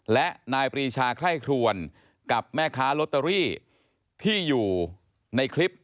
และนายปรีชาไคร่ครวนกับแม่ค้าลอตเตอรี่ที่อยู่ในคลิป